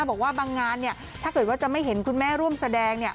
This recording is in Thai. บอกว่าบางงานเนี่ยถ้าเกิดว่าจะไม่เห็นคุณแม่ร่วมแสดงเนี่ย